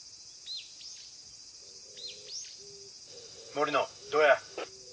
「森野どうや？」